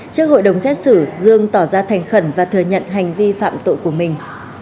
trước hội đồng xét xử dương tỏ ra thành khẩn và thừa nhận hành vi phạm tội của mình